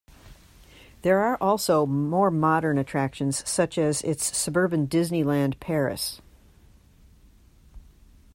There are also more modern attractions such as its suburban Disneyland Paris.